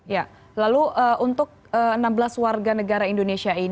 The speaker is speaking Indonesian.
ya lalu untuk enam belas warga negara indonesia